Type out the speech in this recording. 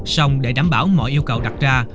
xong để đảm bảo mọi yêu cầu đặt ra